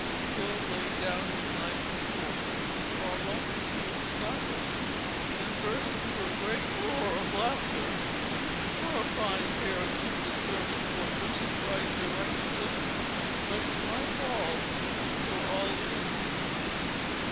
Bill laid down his knife and fork. For a moment he looked startled, then burst into a great roar of laughter. "We're a fine pair of Secret Service workers!" he cried derisively. "But it's my fault. You were all in."